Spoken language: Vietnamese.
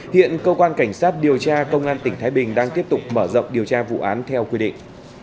hiện cơ quan cảnh sát điều tra công an tỉnh thái bình đang tiếp tục mở rộng điều tra vụ án theo quy định